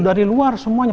dari luar semuanya